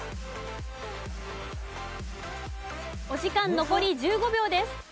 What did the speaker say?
お時間残り１５秒です。